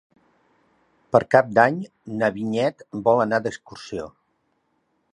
Per Cap d'Any na Vinyet vol anar d'excursió.